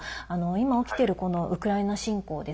今、起きているウクライナ侵攻。